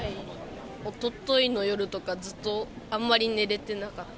おとといの夜とか、ずっとあんまり寝れてなかった。